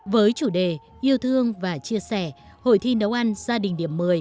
với chủ đề yêu thương và chia sẻ hội thi nấu ăn gia đình điểm một mươi